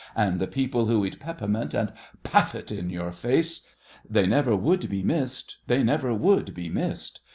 And the people who eat peppermint and puff it in your face, They never would be missed—they never would be missed!